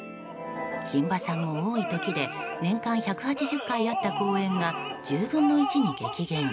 榛葉さんも、多い時で年間１８０回あった公演が１０分の１に激減。